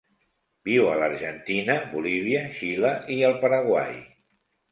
Viu a l'Argentina, Bolívia, Xile i el Paraguai.